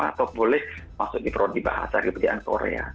atau boleh masuk di prodibahasa kebedaan korea